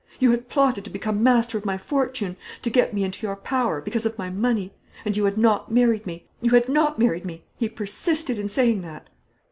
You had plotted to become master of my fortune; to get me into your power, because of my money; and you had not married me. You had not married me; he persisted in saying that.